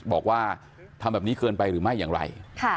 บอกว่าทำแบบนี้เกินไปหรือไม่อย่างไร